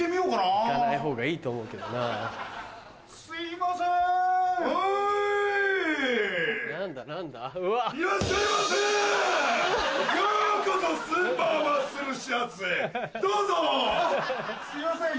あっすいません